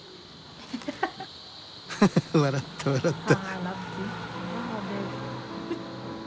ハハッ笑った笑った。